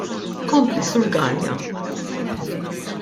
Kompli, Sur Galea.